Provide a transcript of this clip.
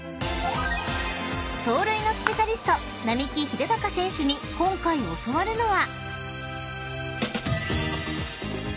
［走塁のスペシャリスト並木秀尊選手に今回教わるのは］